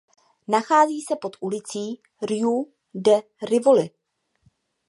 Nachází se pod ulicí Rue de Rivoli.